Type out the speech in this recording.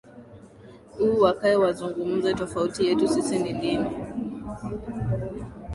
u wakae wazungumuze tofauti yetu sisi ni ndini